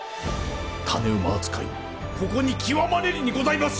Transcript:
種馬扱いもここに極まれりにございます！